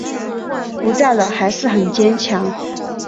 不在了还是很坚强